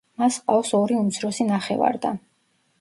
მას ჰყავს ორი უმცროსი ნახევარ-და.